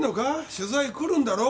取材来るんだろ？